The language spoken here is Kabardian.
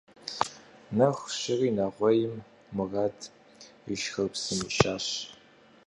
Нэху щыри нэгъуейм Мудар ишхэр псым ишащ.